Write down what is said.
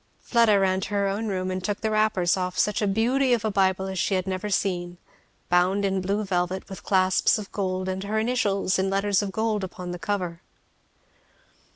Fleda ran to her own room, and took the wrappers off such a beauty of a Bible as she had never seen; bound in blue velvet, with clasps of gold and her initials in letters of gold upon the cover.